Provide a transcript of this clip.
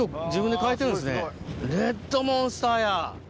レッドモンスターや。